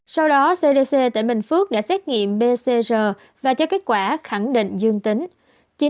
sau đó cdc tại bình phước đã xét nghiệm pcr và cho kết quả khẳng định dương tính